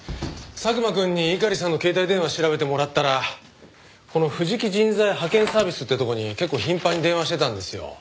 佐久間くんに猪狩さんの携帯電話調べてもらったらこの藤木人材派遣サービスってとこに結構頻繁に電話してたんですよ。